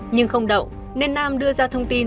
nhưng không đậu nên nam đưa ra thông tin